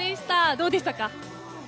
どうでしたか？